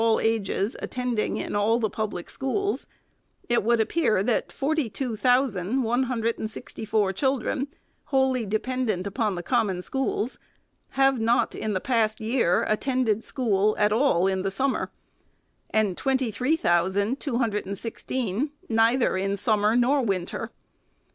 401 all ages attending in all the public schools, it would appear that forty two thousand one hundred and sixty four chil dren, wholly dependent upon the Common Schools, have not, the past year, attended school at all in the summer ; and twenty three thousand two hundred and sixteen, neither in summer nor winter.